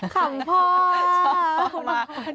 ชอบพ่อมาก